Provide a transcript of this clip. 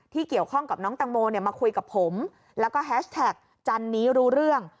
เกี่ยวข้องกับน้องตังโมมาคุยกับผมแล้วก็แฮชแท็กจันนี้รู้เรื่อง